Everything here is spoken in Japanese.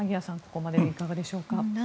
ここまででいかがでしょうか。